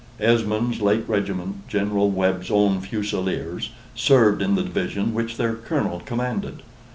Esmond's late regiment, General Webb's own Fusileers, served in the division which their colonel commanded.